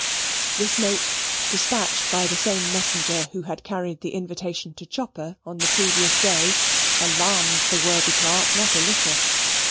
This note, despatched by the same messenger who had carried the invitation to Chopper on the previous day, alarmed the worthy clerk not a little.